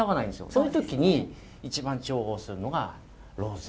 そういう時に一番重宝するのがロゼ。